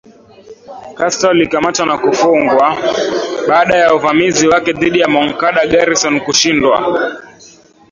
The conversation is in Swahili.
Castro alikamatwa na kufungwa baada ya uvamizi wake dhidi ya Moncada Garrison kushindwa